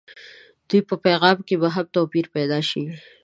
دوی په پیغام کې به هم توپير پيدا شي.